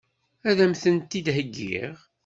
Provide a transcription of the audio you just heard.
Ad m-tent-id-heggiɣ?